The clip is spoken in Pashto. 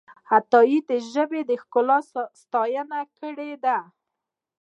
عطايي د ژبې د ښکلا ساتنه کړې ده.